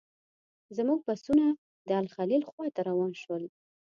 زموږ بسونه د الخلیل خواته روان شول.